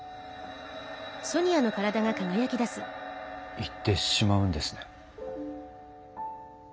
行ってしまうんですね。